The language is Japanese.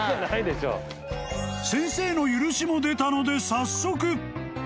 ［先生の許しも出たので早速］